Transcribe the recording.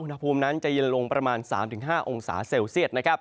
อุณหภูมินั้นจะเย็นลงประมาณ๓๕องศาเซลเซียต